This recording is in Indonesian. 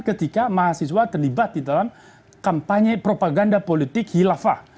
ketika mahasiswa terlibat di dalam kampanye propaganda politik hilafah